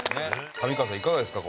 上川さん、いかがですか？